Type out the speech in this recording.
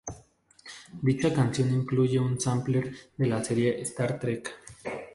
Dicha canción incluye un sampler de la serie "Star Trek".